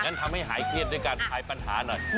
ทำให้หายเครียดด้วยการทายปัญหาหน่อย